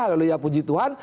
haleluya puji tuhan